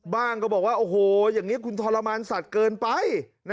ก็บอกว่าโอ้โหอย่างนี้คุณทรมานสัตว์เกินไป